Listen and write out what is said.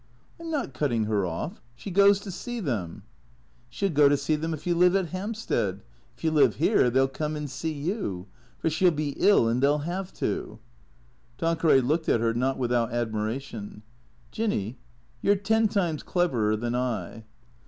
" I 'm not cutting her off. She goes to see them." " She '11 go to see them if you live at Hampstead. If you live here they '11 come and see you. For she '11 be ill and they '11 have to." Tanqueray looked at her, not without admiration. " Jinny, you 're ten times cleverer than I."